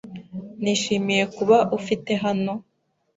Nishimiye kuba ufite hano, .